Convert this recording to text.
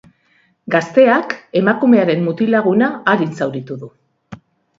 Gazteak emakumearen mutil-laguna arin zauritu du.